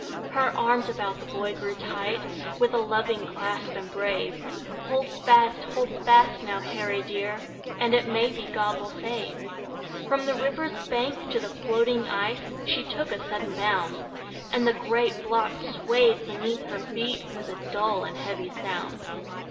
Her arms about the boy grew tight, With a loving clasp, and brave; "Hold fast! Hold fast, now, Harry dear, And it may be God will save." From the river's bank to the floating ice She took a sudden bound, And the great block swayed beneath her feet With a dull and heavy sound.